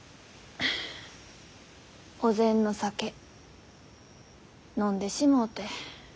お膳の酒飲んでしもうて。